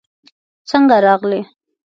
څنګه راغلې؟